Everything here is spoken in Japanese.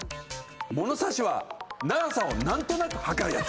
物差しは長さをなんとなく測るやつ。